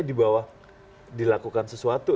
di bawah dilakukan sesuatu